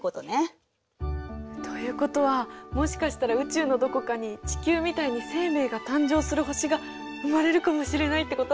ということはもしかしたら宇宙のどこかに地球みたいに生命が誕生する星が生まれるかもしれないってこと？